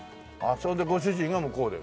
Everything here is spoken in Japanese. それでご主人が向こうで。